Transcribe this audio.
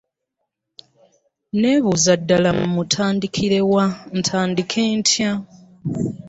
Nebuuza ddala mutandikirewa , ntandike nyta?